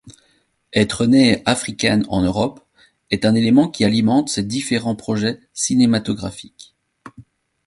Être née africaine en Europe, est un élément qui alimente ses différents projets cinématographiques.